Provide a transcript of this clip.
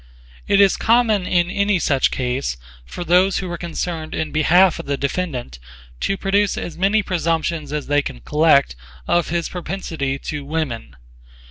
It is common in any such case for those who are concerned in behalf of the defendant to produce as many presumptions as they can collect of his propensity to women.